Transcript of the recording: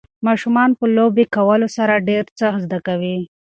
ماشومان په لوبې کولو سره ډېر څه زده کوي.